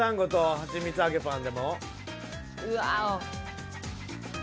はちみつ揚げパン！！